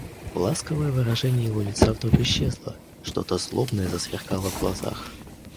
Ласковое выражение его лица вдруг исчезло; что-то злобное засверкало в глазах.